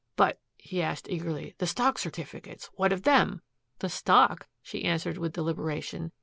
"But," he asked eagerly, "the stock certificates what of them!" "The stock?" she answered with deliberation.